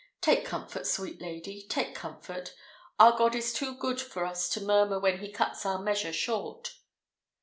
Take comfort, sweet lady! take comfort! Our God is too good for us to murmur when he cuts our measure short."